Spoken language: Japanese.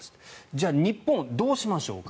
じゃあ日本はどうしましょうか。